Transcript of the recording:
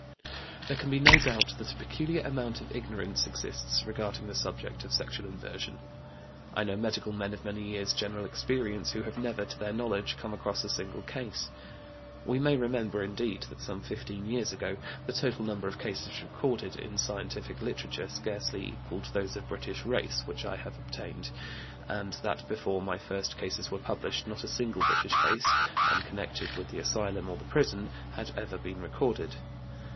There can be no doubt that a peculiar amount of ignorance exists regarding the subject of sexual inversion. I know medical men of many years' general experience who have never, to their knowledge, come across a single case. We may remember, indeed, that some fifteen years ago the total number of cases recorded in scientific literature scarcely equaled those of British race which I have obtained, and that before my first cases were published not a single British case, unconnected with the asylum or the prison, had ever been recorded.